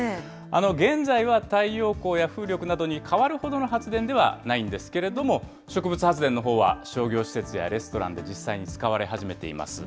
現在は太陽光や風力などに代わるほどの発電ではないんですけれども、植物発電のほうは、商業施設やレストランで実際に使われ始めています。